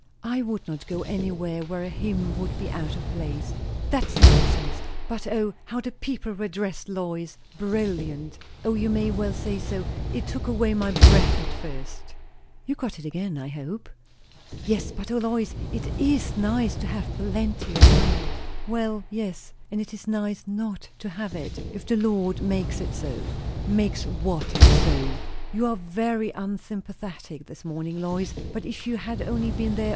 "I would not go anywhere where a hymn would be out of place." "That's nonsense. But O, how the people were dressed, Lois! Brilliant! O you may well say so. It took away my breath at first" "You got it again, I hope?" "Yes. But O, Lois, it is nice to have plenty of money." "Well, yes. And it is nice not to have it if the Lord makes it so." "Makes what so? You are very unsympathetic this morning, Lois! But if you had only been there.